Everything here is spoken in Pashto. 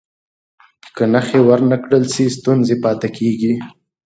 که نښې ور نه کړل سي، ستونزه پاتې کېږي.